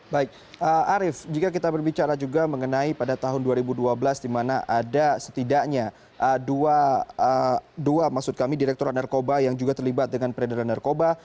baik arief jika kita berbicara juga mengenai pada tahun dua ribu dua belas di mana ada setidaknya dua maksud kami direktur narkoba yang juga terlibat dengan peredaran narkoba